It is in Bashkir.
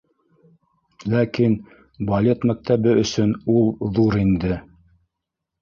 Ләкин... балет мәктәбе өсөн ул ҙур инде!